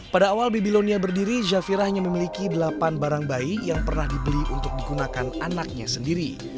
pada awal babylonia berdiri zafira hanya memiliki delapan barang bayi yang pernah dibeli untuk digunakan anaknya sendiri